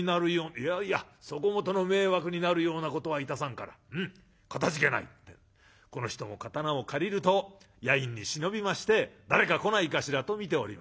「いやいやそこもとの迷惑になるようなことはいたさんから。うんかたじけない」ってんでこの人も刀を借りると夜陰に忍びまして誰か来ないかしらと見ておりました。